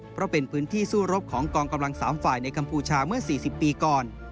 เพราะเป็นพื้นที่สู้รบของกองกำลัง๓ฝ่ายในกัมพูชาเมื่อ๔๐ปีก่อน